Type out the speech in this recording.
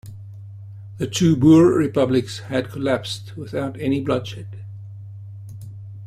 The two Boer republics had collapsed without any bloodshed.